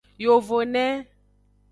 Yovone.